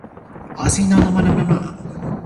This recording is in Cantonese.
好愛國嗰堆勁人，全部都冇好下場